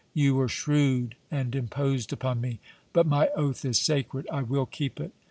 You were shrewd and imposed upon me. But my oath is sacred I will keep it!